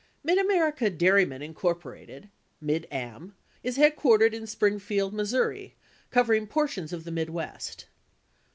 Mid America Dairymen, Inc. (Mid Am) is headquartered in Springfield, Mo., covering portions of the Midwest.